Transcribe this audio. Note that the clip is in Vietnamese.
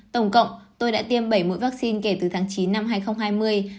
tổng cộng tôi đã tiêm bảy mũi vaccine kể từ tháng chín năm hai nghìn hai mươi